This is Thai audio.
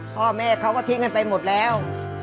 พ่อแม่เขาก็ทิ้งกันไปหมดแล้ว